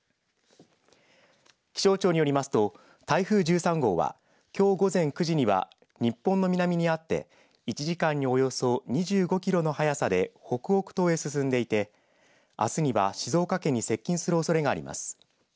気象庁によりますと台風１３号はきょう午前９時には日本の南にあって１時間におよそ２５キロの速さで北北東へ進んでいてあすには静岡県に接近するおそれがあります。